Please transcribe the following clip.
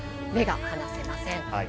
目が離せません。